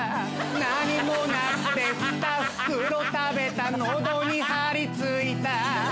「何もなくて２袋食べた喉に張り付いた」